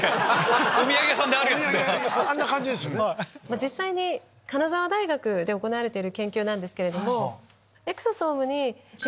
実際に金沢大学で行われている研究なんですけど。